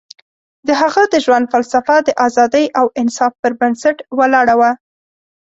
د هغه د ژوند فلسفه د ازادۍ او انصاف پر بنسټ ولاړه وه.